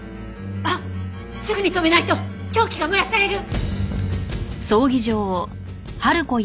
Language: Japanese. あっすぐに止めないと凶器が燃やされる！